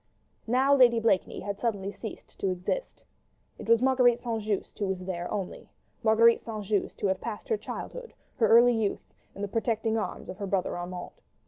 Now Lady Blakeney had suddenly ceased to exist. It was Marguerite St. Just who was there only: Marguerite St. Just who had passed her childhood, her early youth, in the protecting arms of her brother Armand.